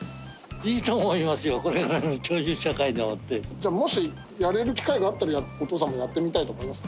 じゃあもしやれる機会があったらお父さんもやってみたいと思いますか？